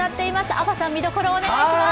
あばさん、見どころをお願いします